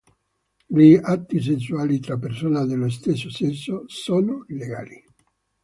Gli atti sessuali tra persona dello stesso sesso sono legali.